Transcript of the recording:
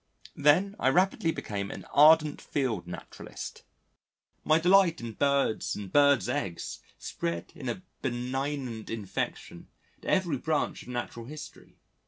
Then, I rapidly became an ardent field naturalist. My delight in Birds and Birds' eggs spread in a benignant infection to every branch of Natural History.